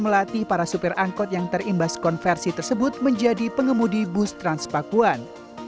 melatih para supir angkot yang terimbas konversi tersebut menjadi pengemudi bus transpakuan